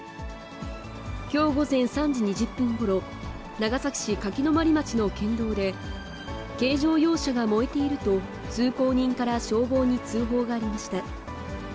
きょう午前３時２０分ごろ、長崎市柿泊町の県道で、軽乗用車が燃えていると、通行人から消防に通報がありました。